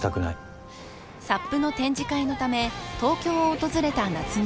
［サップの展示会のため東京を訪れた夏海］